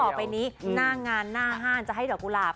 ต่อไปนี้หน้างานหน้าห้านจะให้ดอกกุหลาบ